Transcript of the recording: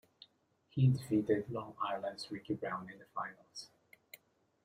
He defeated Long Island's Ricky Brown in the finals.